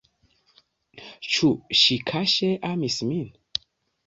Ĉu ŝi kaŝe amis min?